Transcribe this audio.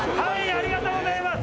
ありがとうございます！」